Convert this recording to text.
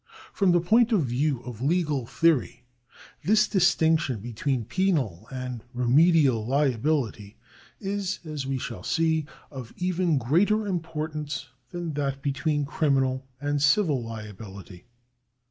From the point of view of legal theory this distinction between penal and remedial liability is, as we shall see, of even greater importance than that be tween criminal and civil liability.